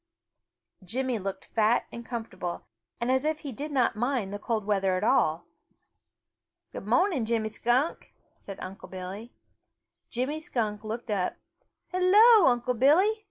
Jimmy looked fat and comfortable and as if he did not mind the cold weather at all. "Good mo'ning, Jimmy Skunk," said Unc' Billy. Jimmy Skunk looked up. "Hello, Unc' Billy!"